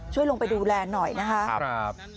ช่วยลงไปดูแลหน่อยนะครับ